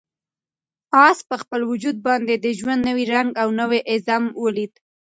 آس په خپل وجود باندې د ژوند نوی رنګ او نوی عزم ولید.